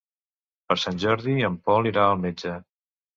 Per Sant Jordi en Pol irà al metge.